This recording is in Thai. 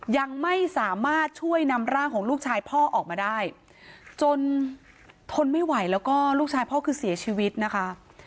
ยังไม่สามารถช่วยนำร่างของลูกชายพ่อออกมาได้จนทนไม่ไหวแล้วก็ลูกชายพ่อคือเสียชีวิตนะคะ